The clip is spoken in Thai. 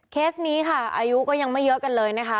เคสนี้ค่ะอายุก็ยังไม่เยอะกันเลยนะคะ